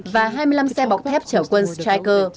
và hai mươi năm xe bọc thép chở quân stycer